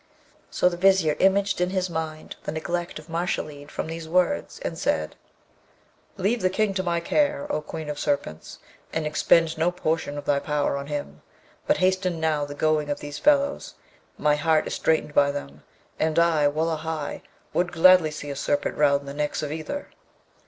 So the Vizier imaged in his mind the neglect of Mashalleed from these words, and said, 'Leave the King to my care, O Queen of Serpents, and expend no portion of thy power on him; but hasten now the going of these fellows; my heart is straitened by them, and I, wullahy! would gladly see a serpent round the necks of either.'